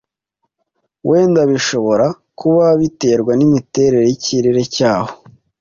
Wenda bishobora kuba biterwa n'imiterere y'ikirere cyaho,